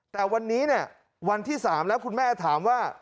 แต่วันนี้เนี่ยวันที่๓แล้วคุณแม่ถามว่า